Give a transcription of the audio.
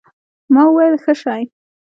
ما وويل ښه شى.